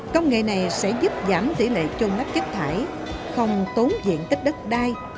công nghệ này sẽ giúp giảm tỷ lệ chôn lắp chất thải không tốn diện tích đất đai